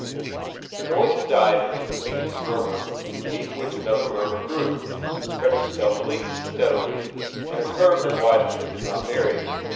The noise ha i died into the faintest murmur, beneath which another murmur grew, Spre Stealthily, tea lily, in a curve that widened hut did not vary.